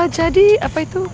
jadi apa itu